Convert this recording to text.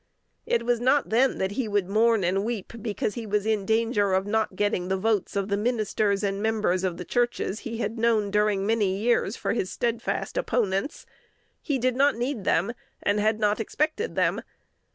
It was not then that he would mourn and weep because he was in danger of not getting the votes of the ministers and members of the churches he had known during many years for his steadfast opponents: he did not need them, and had not expected them.